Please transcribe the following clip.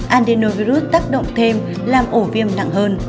adenovirus tác động thêm làm ổ viêm nặng hơn